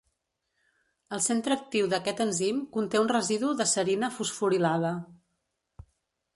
El centre actiu d'aquest enzim conté un residu de serina fosforilada.